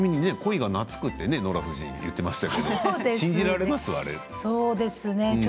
コイがなつくってノラ夫人は言ってましたけど信じられますか？